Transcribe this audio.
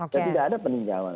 jadi nggak ada peninjauan